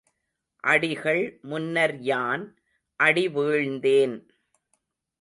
அடிகள் முன்னர் யான் அடி வீழ்ந்தேன்.